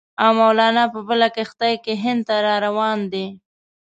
او مولنا په بله کښتۍ کې هند ته را روان دی.